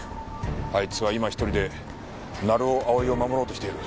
あいつは今１人で成尾蒼を守ろうとしている。